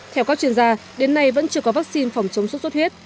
theo các chuyên gia đến nay vẫn chưa có vaccine phòng chống xuất xuất huyết